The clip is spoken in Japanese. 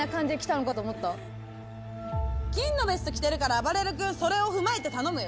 金のベスト着てるから、あばれる君、それを踏まえて頼むよ。